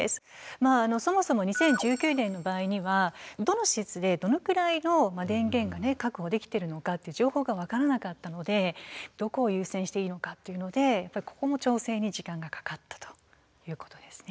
まああのそもそも２０１９年の場合にはどの施設でどのくらいの電源がね確保できてるのかって情報が分からなかったのでどこを優先していいのかっていうのでここも調整に時間がかかったということですね。